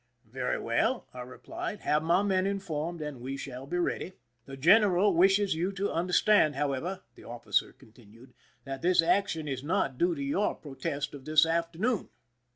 Very well," I replied ;" have my men informed, and we shall be ready." "The general wishes you to understand, how ever," the officer continued, " that this action is not due to your protest of this afternoon."